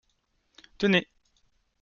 Tenez.